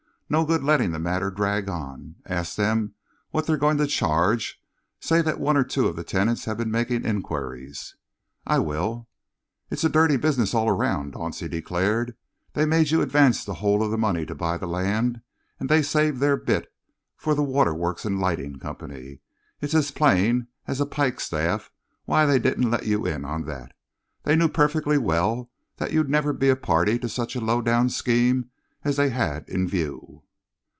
"No good letting the matter drag on. Ask them what they're going to charge. Say that one or two of the tenants have been making enquiries." "I will." "It's a dirty business all round," Dauncey declared. "They made you advance the whole of the money to buy the land, and they saved their bit for the waterworks and lighting company. It's as plain as a pikestaff why they didn't let you in on that. They knew perfectly well that you'd never be a party to such a low down scheme as they had in view."